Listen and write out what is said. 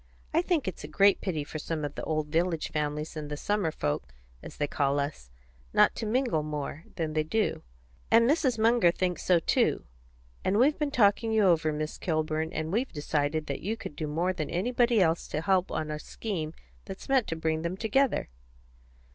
I think it's a great pity for some of the old village families and the summer folks, as they call us, not to mingle more than they do, and Mrs. Munger thinks so too; and we've been talking you over, Miss Kilburn, and we've decided that you could do more than anybody else to help on a scheme that's meant to bring them together."